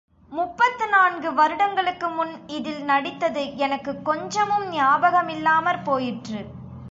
முப்பத்து நான்கு வருடங்களுக்கு முன் இதில் நடித்தது எனக்குக் கொஞ்சமும் ஞாபகமில்லாமற் போயிற்று.